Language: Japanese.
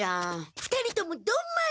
２人ともドンマイ。